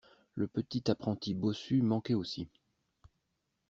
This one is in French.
Le petit apprenti bossu manquait aussi.